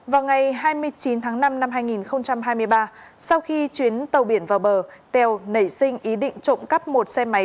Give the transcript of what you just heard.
vào ngày hai mươi chín tháng năm năm hai nghìn hai mươi ba sau khi chuyến tàu biển vào bờ tèo nảy sinh ý định trộm cắp một xe máy